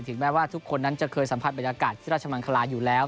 แม้ว่าทุกคนนั้นจะเคยสัมผัสบรรยากาศที่ราชมังคลาอยู่แล้ว